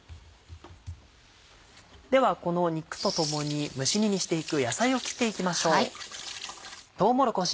ではこの肉と共に蒸し煮にしていく野菜を切っていきましょう。